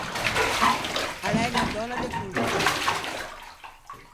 A l’é unna dònna de coltua.